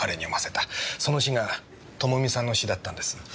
その詩が朋美さんの詩だったんです。